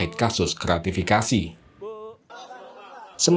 akan menjadi sia sia saja